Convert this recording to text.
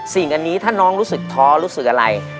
สิ่งอันนี้ถ้าน้องรู้สึกท้อรู้สึกอะไร